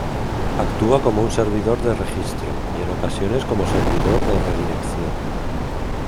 Actúa como un servidor de registro, y en ocasiones como servidor de redirección.